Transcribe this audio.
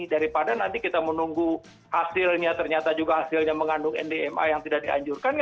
daripada nanti kita menunggu hasilnya ternyata juga hasilnya mengandung ndma yang tidak dianjurkan